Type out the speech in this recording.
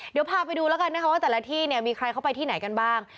เดี๋ยวพาไปดูแล้วกันนะคะว่าแต่ละที่เนี่ยมีใครเข้าไปที่ไหนกันบ้าง